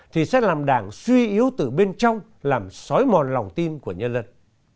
thì sẽ làm đảng suy yếu từ bên trong làm sói mòn lòng tim của nhân dân